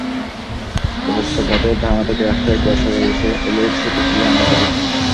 বহুত্ববাদের ধারণা থেকে রাষ্ট্র একবার সরে এলে সেটি ফিরিয়ে আনা কঠিন।